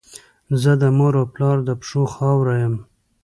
زه د مور او پلار د پښو خاوره یم.